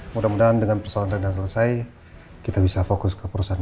mudah mudahan dengan persoalan rada selesai kita bisa fokus ke perusahaan